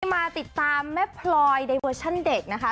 มาติดตามแม่พลอยในเวอร์ชั่นเด็กนะคะ